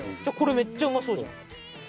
じゃあこれめっちゃうまそうじゃん。